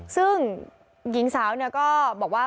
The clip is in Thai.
ซึ่งหญิงสาวเนี่ยก็บอกว่า